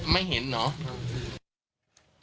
ไม่เห็นเหรอ